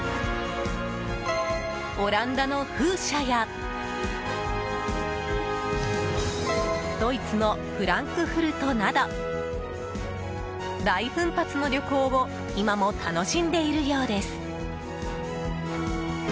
オランダの風車やドイツのフランクフルトなど大奮発の旅行を今も楽しんでいるようです。